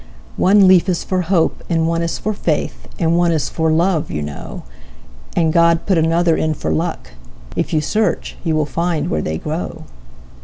One leaf is for faith, and one is for hope, And one is for love, you know; And God put another one in for luck If you search, you will find where they grow.